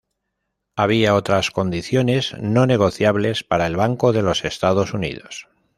Había otras condiciones no negociables para el Banco de los Estados Unidos.